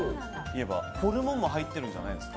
ホルモンも入ってるじゃないですか。